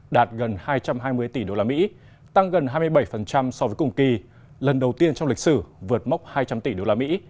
đạt gần hai trăm hai mươi tỷ đô la mỹ tăng gần hai mươi bảy so với cùng kỳ lần đầu tiên trong lịch sử vượt mốc hai trăm linh tỷ đô la mỹ